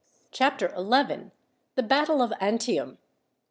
Chapter 11: The Battle Of Antium.